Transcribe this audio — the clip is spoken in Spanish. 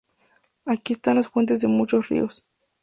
Aquí están las fuentes de muchos ríos.